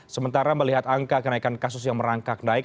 sementara melihat angka kenaikan kasus yang merangkak naik